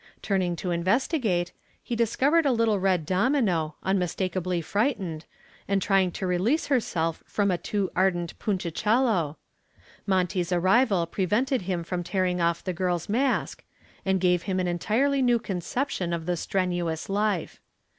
Turning to investigate, he discovered a little red domino, unmistakably frightened, and trying to release herself from a too ardent Punchinello. Monty's arrival prevented him from tearing off the girl's mask and gave him an entirely new conception of the strenuous life.